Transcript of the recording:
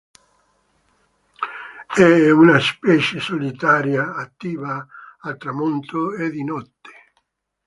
È una specie solitaria, attiva al tramonto e di notte.